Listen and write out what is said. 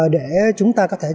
để chúng ta có thể